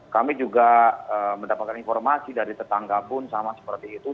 kami juga mendapatkan informasi dari tetangga pun sama seperti itu